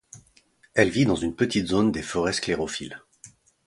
Elle vit dans une petite zone des forêts sclérophyles.